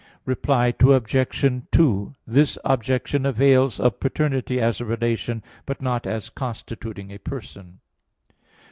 Reply Obj. 2: This objection avails of paternity as a relation, but not as constituting a person.